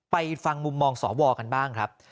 ฟังมุมมองสวกันบ้างครับ